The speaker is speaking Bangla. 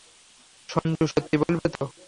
সঞ্জু সত্যি বলবে তো?